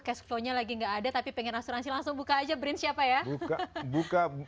cash flow nya lagi tidak ada tapi ingin asuransi langsung buka saja brins siapa ya